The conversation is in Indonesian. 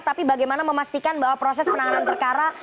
tapi bagaimana memastikan bahwa proses penanganan perkara